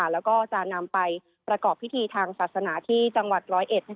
แล้วก็จะนำไปประกอบพิธีทางศาสนาที่จังหวัดร้อยเอ็ด